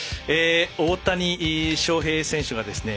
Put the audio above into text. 大谷翔平選手が